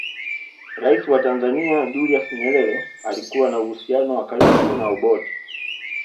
Rais wa Tanzania Julius Nyerere alikuwa na uhusiano wa karibu na Obote